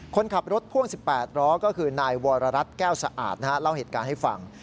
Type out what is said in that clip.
คนขับรถพ่วง๑๘ล้อก็คือนายวรรัฐแก้วสะอาดเล่าเหตุการณ์ให้ฟัง